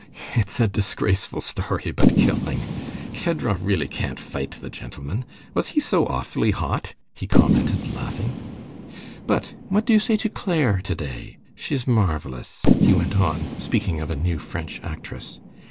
"It's a disgraceful story, but killing. Kedrov really can't fight the gentleman! Was he so awfully hot?" he commented, laughing. "But what do you say to Claire today? She's marvelous," he went on, speaking of a new French actress.